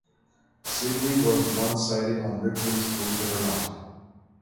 Sibley was once cited on Ripley's Believe It or Not!